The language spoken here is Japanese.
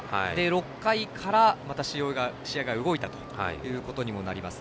６回から、また試合が動いたということにもなります。